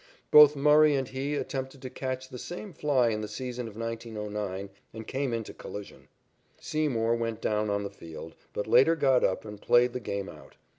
Both Murray and he attempted to catch the same fly in the season of 1909 and came into collision. Seymour went down on the field, but later got up and played the game out.